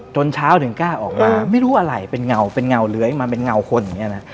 จนเช้าถึงกล้าออกมาไม่รู้อะไรเป็นเงาเป็นเงาเลื้อยมาเป็นเงาคนอย่างนี้นะ